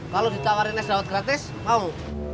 kalau ditawarin es dawet gratis mau